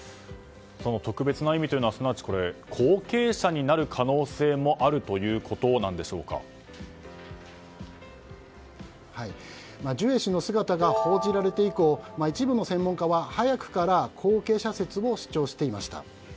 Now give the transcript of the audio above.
特別な意味というのはすなわち後継者になる可能性もジュエ氏の姿が報じられて以降一部の専門家は早くから後継者説を主張していました。